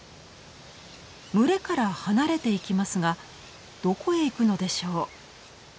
群れから離れていきますがどこへ行くのでしょう？